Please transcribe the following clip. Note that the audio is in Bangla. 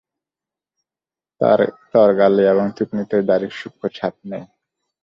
তার গালে এবং থুঁতনিতে দাঁড়ির সূক্ষ ছাপ নেই।